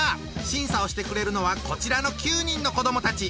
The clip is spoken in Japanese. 審査をしてくれるのはこちらの９人の子どもたち。